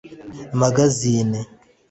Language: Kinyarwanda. Magazine